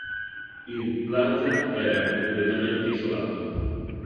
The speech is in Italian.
Il Plaza era completamente isolato.